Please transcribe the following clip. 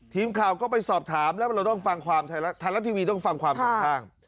ทีมข้าวก็ไปสอบถามแล้วทางรัฐทีวีต้องฟังทาง